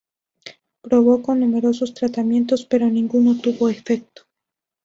Probó con numerosos tratamientos, pero ninguno tuvo efecto.